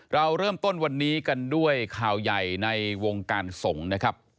เราเริ่มต้นวันนี้กันด้วยข่าวใหญ่ในวงการสงฆ์นะครับ